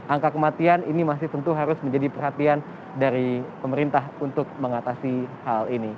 angka kematian ini masih tentu harus menjadi perhatian dari pemerintah untuk mengatasi hal ini